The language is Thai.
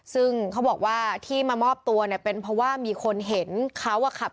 ซึ่งเขาบอกว่าที่มามอบตัวเนี่ยเป็นเพราะว่ามีคนเห็นเขาอ่ะขับ